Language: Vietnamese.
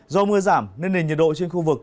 do mưa giảm nên nền nhiệt độ trên khu vực